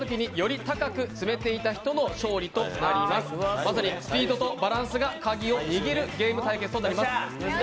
まさにスピードとバランスがカギを握るゲーム対決となります。